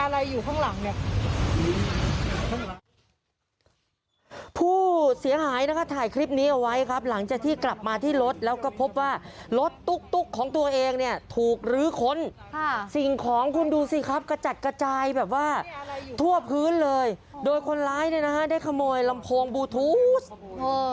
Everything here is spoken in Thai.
ดูสิครับกระจัดกระจายแบบว่าทั่วพื้นเลยโดยคนร้ายนะฮะได้ขโมยลำโพงบลูทูศเออ